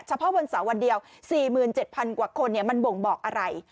เฉพาะวันเสาร์วันเดียว๔๗๐๐กว่าคนมันบ่งบอกอะไร